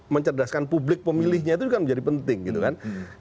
mencerdaskan publik pemilihnya itu juga menjadi penting gitu kan